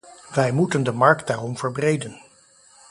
Wij moeten de markt daarom verbreden.